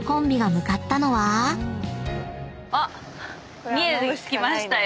［そんな］見えてきましたよ。